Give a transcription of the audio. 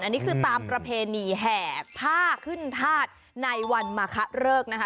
อันนี้คือตามประเพณีแห่ผ้าขึ้นธาตุในวันมาคะเริกนะคะ